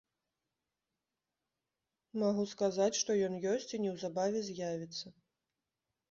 Магу сказаць, што ён ёсць і неўзабаве з'явіцца.